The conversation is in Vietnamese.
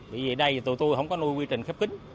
vì vậy đây tụi tôi không có nuôi quy trình khép kính